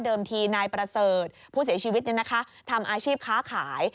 เดิมทีนายประเสริฐผู้เสียชีวิตเนี่ยนะคะทำอาชีพค้าขาย